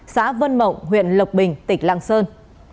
xã vân mộng huyện lộc bình tỉnh lạng sơn